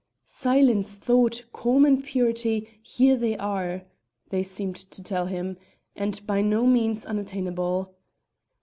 "Silence, thought, calm, and purity, here they are!" they seemed to tell him, and by no means unattainable.